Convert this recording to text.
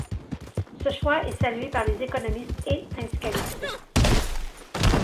Ce choix est salué par les économistes et syndicalistes.